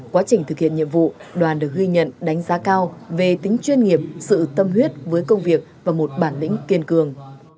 quá trình thực hiện nhiệm vụ đoàn được ghi nhận đánh giá cao về tính chuyên nghiệp sự tâm huyết với công việc và một bản lĩnh kiên cường